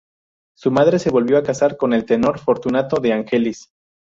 Su madre se volvió a casar con el tenor Fortunato de Angelis.